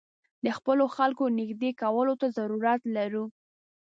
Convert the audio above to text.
د خپلو خلکو نېږدې کولو ته ضرورت لرو.